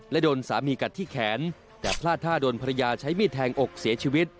และโดนสามีกัดที่แขนแต่พลาดท่าโดนภรรยาใช้มีดแทงอกเสียชีวิต